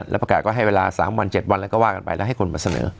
แล้วประกาศก็ให้เวลา๓วัน๗วันแล้วก็ว่ากันไปแล้วให้คนมาเสนอ